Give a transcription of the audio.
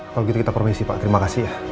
kalau gitu kita permisi pak terima kasih ya